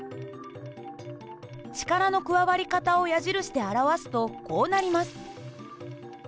力の加わり方を矢印で表すとこうなります。